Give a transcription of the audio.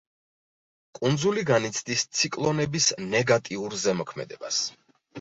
კუნძული განიცდის ციკლონების ნეგატიურ ზემოქმედებას.